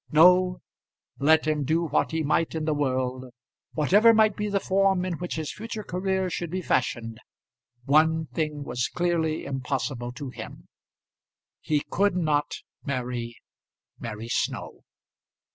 No; let him do what he might in the world; whatever might be the form in which his future career should be fashioned, one thing was clearly impossible to him. He could not marry Mary Snow.